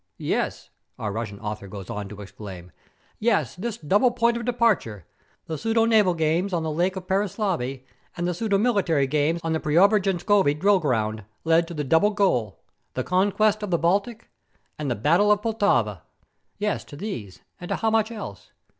Yes,' our Russian author goes on to exclaim, 'yes, this double point of departure the pseudo naval games on the lake of Pereislavl, and the pseudo military games on the Preobrajenskoie drill ground led to the double goal the Conquest of the Baltic and the Battle of Poltava!' Yes, to these, and to how much else?